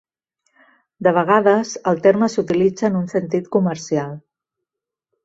De vegades, el terme s'utilitza en un sentit comercial.